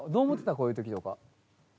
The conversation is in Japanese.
こういう時とか。